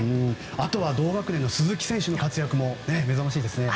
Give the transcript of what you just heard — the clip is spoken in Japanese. あとは同学年の鈴木選手の活躍も目覚ましいですね。